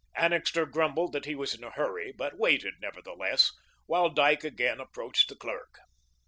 Annixter grumbled that he was in a hurry, but waited, nevertheless, while Dyke again approached the clerk.